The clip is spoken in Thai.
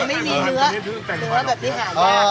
มันไม่มีเนื้อ